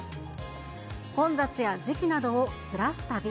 混雑や時期などをズラす旅。